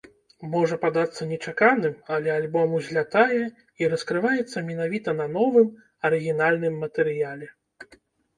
Можа падацца нечаканым, але альбом узлятае і раскрываецца менавіта на новым арыгінальным матэрыяле.